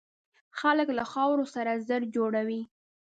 خلک له خاورو سره زر جوړوي.